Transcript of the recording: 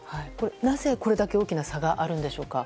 なぜこれだけ大きな差があるのでしょうか。